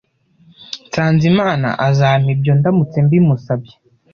Sanzimana azampa ibyo ndamutse mbimusabye.